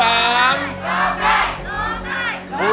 ร้องได้ร้องได้